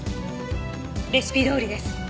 レシピどおりです。